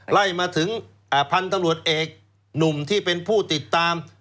ไล่มาถึงพันธุ์ตำรวจเอกหนุ่มที่เป็นผู้ติดตาม